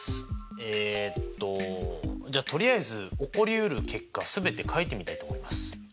えっとじゃあとりあえず起こりうる結果すべて書いてみたいと思います。